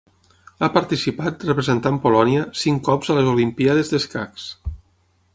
Ha participat, representant Polònia, cinc cops a les Olimpíades d'escacs.